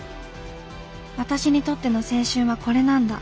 私にとっての青春はこれなんだ